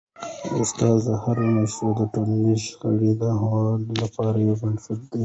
د استاد هره مشوره د ټولنیزو شخړو د هوارولو لپاره یو بنسټ دی.